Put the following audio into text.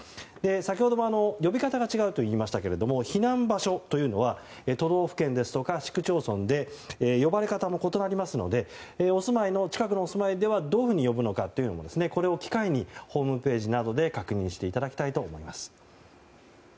先ほども呼び方が違うといいましたが避難場所というのは都道府県ですとか市区町村で呼ばれ方も異なりますのでお住まいの近くではどういうふうに呼ぶのかをこれを機会にホームページなどで確認していただきたいと思います。